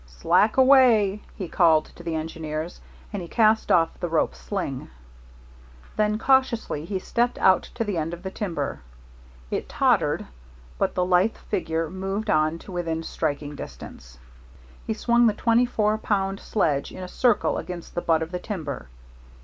"Slack away!" he called to the engineers, and he cast off the rope sling. Then cautiously he stepped out to the end of the timber. It tottered, but the lithe figure moved on to within striking distance. He swung the twenty four pound sledge in a circle against the butt of the timber.